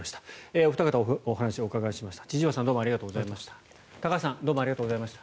お二方にお話をお伺いしました。